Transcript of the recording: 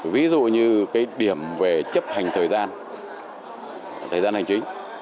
ví dụ như điểm về chấp hành thời gian thời gian hành trí